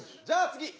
じゃあ次！